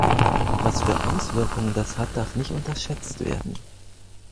Was für Auswirkungen das hat, darf nicht unterschätzt werden.